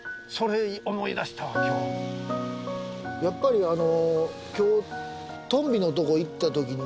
やっぱりあの今日。